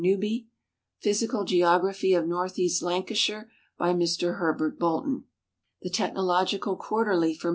Newby ;" Pliysi cal Cieography of Nortlieast Lancashire," by Mr Herljert Boltoii. The Technological Qnarterhj for